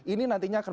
ini nantinya kembali